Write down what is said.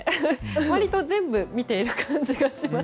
割と全部見ている感じがします。